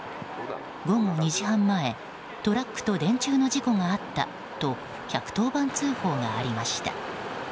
午後２時半前トラックと電柱の事故があったと１１０番通報がありました。